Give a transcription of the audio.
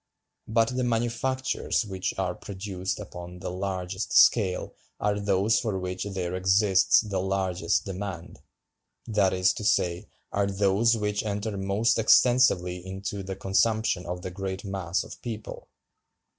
But the manufactures which are produced upon the largest scale are those for which there exists the largest demand—that is to say, are those which enter most extensively into the consumption of the great mass of people.